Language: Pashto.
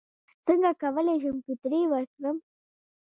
څنګه کولی شم فطرې ورکړم